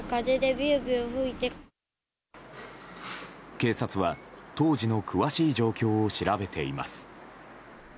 警察は当時の詳しい状況を調べています。